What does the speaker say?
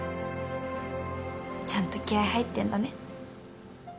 ちゃんと気合入ってんだね。